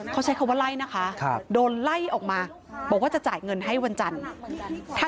เขาใช้คำว่าไล่นะคะโดนไล่ออกมาบอกว่าจะจ่ายเงินให้วันจันทร์